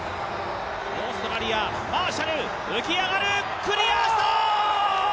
オーストラリア、マーシャル浮き上がる、クリアした。